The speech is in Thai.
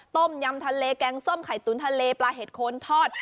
ต้มยำทะเลแกงส้มไข่ตุ๋นทะเลปลาเห็ดโคนทอด